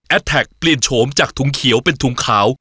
แท็กเปลี่ยนโฉมจากถุงเขียวเป็นถุงขาว